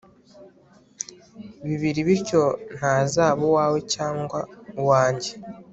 bibiri bityo ntazaba uwawe cyangwa uwange